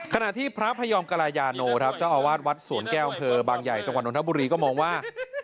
ขณะที่พระพยอมกรายาโนครับเจ้าอาวาสวัดสวนแก้วอำเภอบางใหญ่จังหวัดนทบุรีก็มองว่า